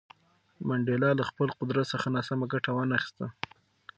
منډېلا له خپل قدرت څخه ناسمه ګټه ونه خیسته.